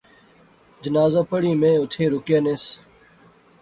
جنازہ پڑھی میں ایتھیں رکیا نہس